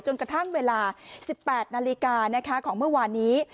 กระทั่งเวลา๑๘นาฬิกาของเมื่อวานนี้